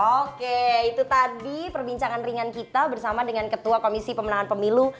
oke itu tadi perbincangan ringan kita bersama dengan ketua komisi pemenangan pemilu